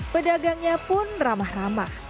pedagangnya pun ramah ramah